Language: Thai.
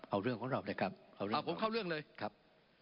เอาเรื่องของเราเลยครับ